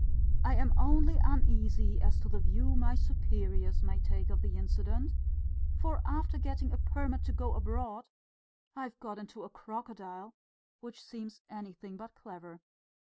I am only uneasy as to the view my superiors may take of the incident; for after getting a permit to go abroad I've got into a crocodile, which seems anything but clever."